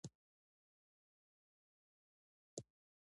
هره ورځ مزل کول د ټولیز فټنس لپاره ګټور دي.